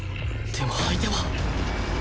でも相手は